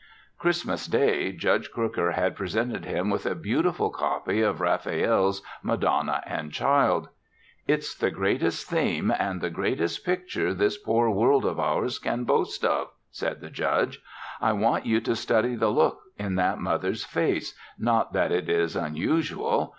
Christmas Day, Judge Crooker had presented him with a beautiful copy of Raphael's Madonna and Child. "It's the greatest theme and the greatest picture this poor world of ours can boast of," said the Judge. "I want you to study the look in that mother's face, not that it is unusual.